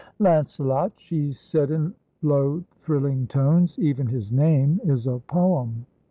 "Lancelot!" she said in low, thrilling tones. "Even his name is a poem."